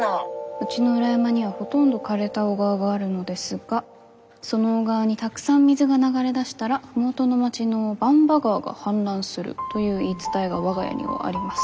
「うちの裏山にはほとんど枯れた小川があるのですがその小川にたくさん水が流れ出したら麓の町の番場川が氾濫するという言い伝えが我が家にはあります」。